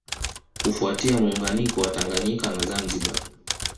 Kufuatia muunganiko wa Tanganyika na Zanzibar